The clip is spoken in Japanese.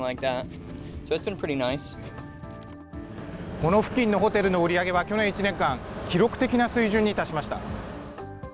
この付近のホテルの売り上げは去年１年間、記録的な水準に達しました。